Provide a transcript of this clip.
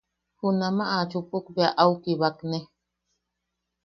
Junamaʼa a chupuk bea, au kibakne.